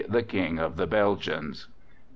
the King of the Belgians_.